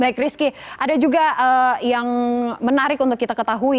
baik rizky ada juga yang menarik untuk kita ketahui